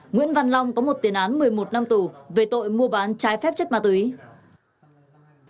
nguyễn văn long có một tiền án một mươi một năm tù về tội mua bán trái phép chất ma túy